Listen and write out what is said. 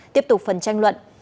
tiếp tục phần tranh luận